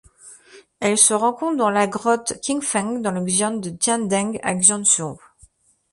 Elle se rencontre dans la grotte Qingfeng dans le xian de Tiandeng à Chongzuo.